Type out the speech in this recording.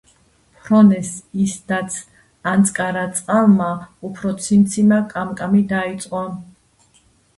ფრონეს ისდაც ანკარა წყალმა უფრო ციმციმა-კამკამი დაიწყო.